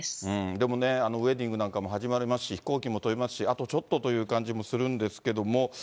でもね、ウエディングなんかも始まりますし、飛行機も飛びますし、あとちょっとという感じもするんですけれども。